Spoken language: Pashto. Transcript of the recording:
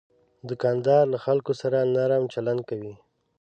دوکاندار له خلکو سره نرم چلند کوي.